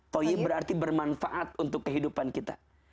toyib berarti bermanfaat untuk kehidupan kita